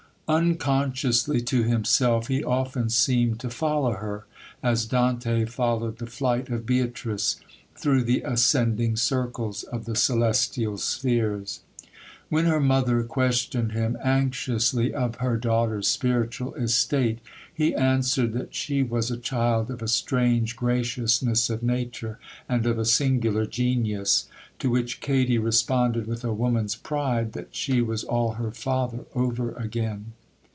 Unconsciously to himself, he often seemed to follow her, as Dante followed the flight of Beatrice, through the ascending circles of the celestial spheres. When her mother questioned him, anxiously, of her daughter's spiritual estate, he answered, that she was a child of a strange graciousness of nature, and of a singular genius; to which Katy responded, with a woman's pride, that she was all her father over again.